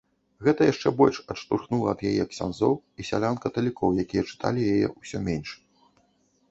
Гэта яшчэ больш адштурхнула ад яе ксяндзоў і сялян-каталікоў, якія чыталі яе ўсё менш.